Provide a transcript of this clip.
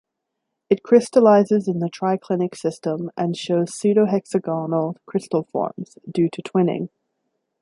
It crystallizes in the triclinic system and shows pseudo-hexagonal crystal forms due to twinning.